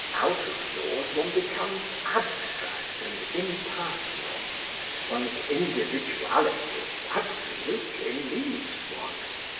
Out of doors one becomes abstract and impersonal. One's individuality absolutely leaves one.